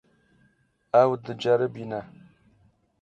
Ew diceribîne.